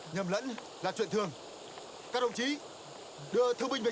nào qua rồi nghỉ đi đã